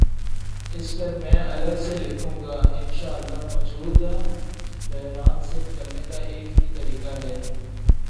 اس پرمیں الگ سے لکھوں گا، انشا اللہ مو جودہ بحران سے نکلنے کا ایک ہی طریقہ ہے۔